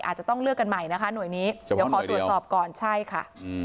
อาจจะต้องเลือกกันใหม่นะคะหน่วยนี้เดี๋ยวขอตรวจสอบก่อนใช่ค่ะ